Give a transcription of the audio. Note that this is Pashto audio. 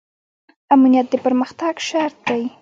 امنیت د پرمختګ شرط دی